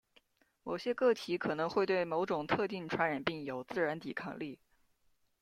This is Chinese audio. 某些个体可能会对某种特定传染病有自然抵抗力。